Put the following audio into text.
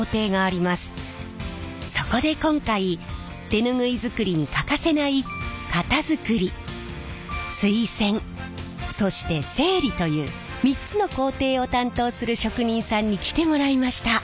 そこで今回手ぬぐい作りに欠かせない型作り水洗そして整理という３つの工程を担当する職人さんに来てもらいました。